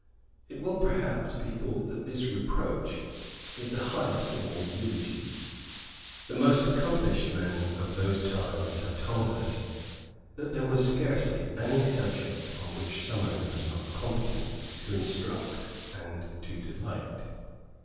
It will perhaps be thought that this reproach is the highest of all eulogies. The most accomplished men of those times have told us that there was scarcely any subject on which Somers was not competent to instruct and to delight.